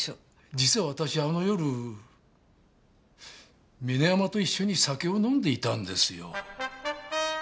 実は私あの夜峰山と一緒に酒を飲んでいたんですよ。